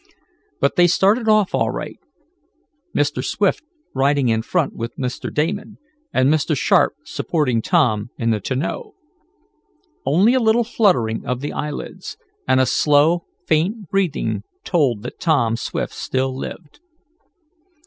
But they started off all right, Mr. Swift riding in front with Mr. Damon, and Mr. Sharp supporting Tom in the tonneau. Only a little fluttering of the eyelids, and a slow, faint breathing told that Tom Swift still lived.